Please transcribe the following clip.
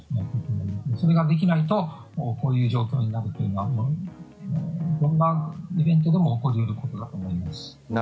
それができないとこういう状況になるというのはどんなイベントでも起こり得ることだと思います。